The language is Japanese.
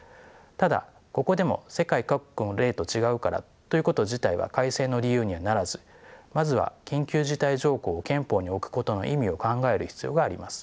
ただここでも世界各国の例と違うからということ自体は改正の理由にはならずまずは緊急事態条項を憲法に置くことの意味を考える必要があります。